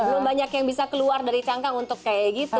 belum banyak yang bisa keluar dari cangkang untuk kayak gitu